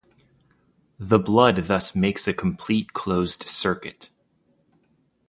The blood thus makes a complete closed circuit.